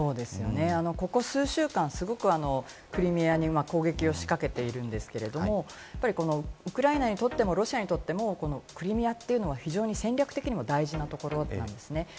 ここ数週間、すごくクリミアに攻撃を仕掛けているんですけれども、ウクライナにとってもロシアにとってもクリミアというのは戦略的にも大事なところなんですね。